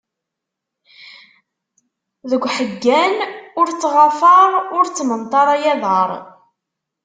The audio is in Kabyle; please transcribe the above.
Ded uḥeggan ur ttɣafaṛ, ur ttmenṭaṛ ay aḍaṛ!